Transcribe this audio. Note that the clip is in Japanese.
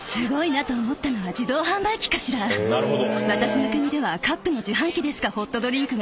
なるほど。